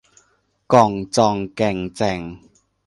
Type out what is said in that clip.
ก่องจ่องแก่งแจ่ง